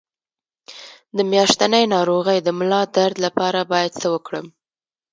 د میاشتنۍ ناروغۍ د ملا درد لپاره باید څه وکړم؟